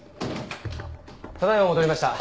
ただ今戻りました。